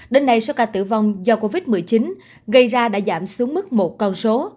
đến nay số ca tử vong do covid một mươi chín gây ra đã giảm xuống mức một con số